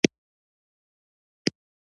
پر زړه او دماغ ښه لګېدله.